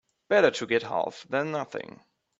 Better to get half than nothing.